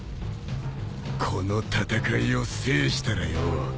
この戦いを制したらよ。